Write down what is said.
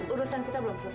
urusan kita belum selesai